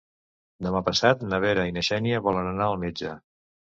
Demà passat na Vera i na Xènia volen anar al metge.